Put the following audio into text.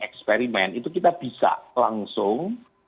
eksperimen itu kita bisa langsung